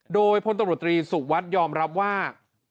โดยพลตำรวจตรีสุขวัดยอมรับว่า